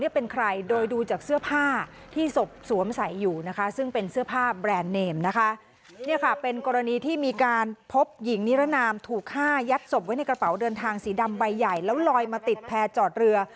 ยัดศพไว้ในกระเป๋าเดินทางสีดำใบใหญ่แล้วลอยมาติดแพร่จอดเรือ